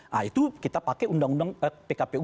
nah itu kita pakai undang undang pkpu